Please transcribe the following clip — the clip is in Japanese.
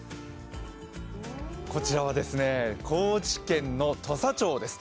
こちらは高知県の土佐町です。